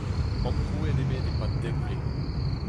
Amprouet eo bet e-pad dek vloaz.